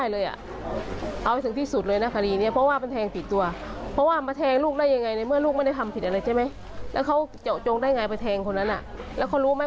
แล้วคนรู้ไหมคนน้ำชื่ออะไร